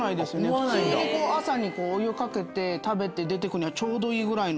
普通に朝にお湯をかけて食べて出て来るにはちょうどいいぐらいの。